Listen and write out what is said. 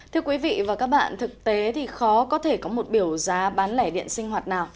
thưa quý vị và các bạn thực tế thì khó có thể có một biểu giá bán lẻ điện sinh hoạt nào